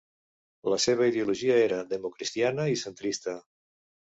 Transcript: La seva ideologia era democristiana i centrista.